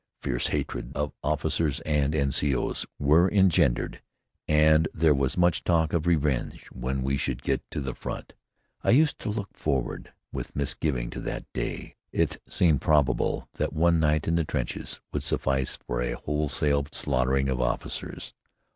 Fierce hatreds of officers and N.C.O.s were engendered and there was much talk of revenge when we should get to the front. I used to look forward with misgiving to that day. It seemed probable that one night in the trenches would suffice for a wholesale slaughtering of officers.